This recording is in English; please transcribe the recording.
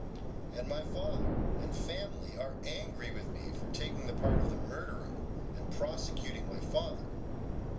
And my father and family are angry with me for taking the part of the murderer and prosecuting my father.